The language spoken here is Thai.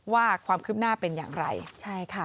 ว่าความคืบหน้าเป็นอย่างไรใช่ค่ะ